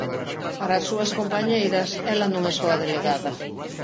Para as súas compañeiras, ela non é só a delegada.